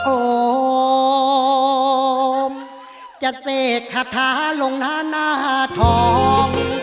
โอมจะเสกคาถาลงหน้าหน้าทอง